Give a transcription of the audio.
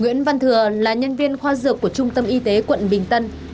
và huỳnh phương thảo là nhân viên khoa dược của trung tâm y tế quận bình tân